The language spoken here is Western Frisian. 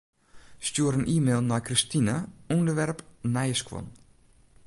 Stjoer in e-mail nei Kristine, ûnderwerp nije skuon.